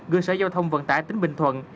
gương sở giao thông vận tải tính bình thuận